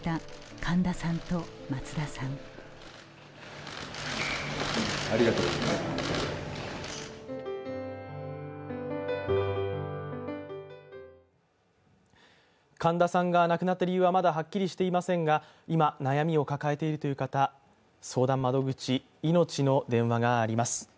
神田さんが亡くなった理由はまたはっきりしていませんが、今、悩みを抱えているという方、相談窓口、いのちの電話があります。